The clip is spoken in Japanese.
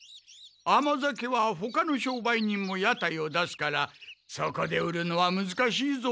甘酒はほかの商売人も屋台を出すからそこで売るのはむずかしいぞ。